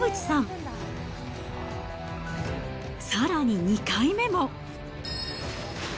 さらに２回目も。